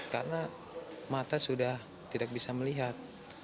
karena mata sudah tidak bisa melihat